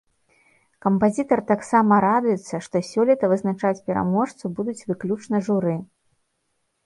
Кампазітар таксама радуецца, што сёлета вызначаць пераможцу будуць выключна журы.